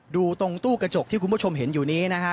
ดูตรงตู้กระจกที่คุณผู้ชมเห็นอยู่นี้นะฮะ